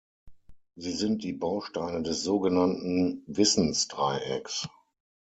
Sie sind die Bausteine des so genannten Wissensdreiecks.